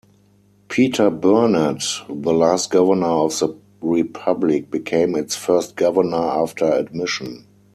Peter Burnett, the last governor of the republic, became its first governor after admission.